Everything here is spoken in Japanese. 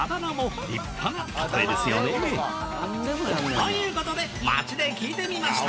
ということで街で聞いてみました！